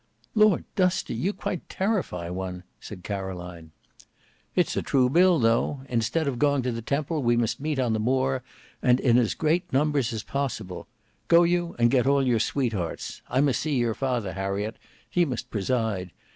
"Lor! Dusty, you quite terrify one," said Caroline. "It's a true bill though. Instead of going to the Temple we must meet on the Moor, and in as great numbers as possible. Go you and get all your sweethearts. I must see your father, Harriet; he must preside.